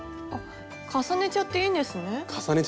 重ねちゃっていいんですね？